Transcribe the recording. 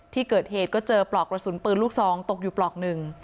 ที่เกิดเหตุก็เจอปลอกกระสุนปืนลูกซองตกอยู่ปลอกหนึ่ง